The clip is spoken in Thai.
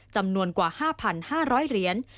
จำนวนกว่า๕๕๐๐เหรียญ